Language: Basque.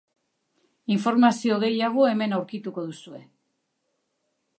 Informazio gehiago hemen aurkituko duzue.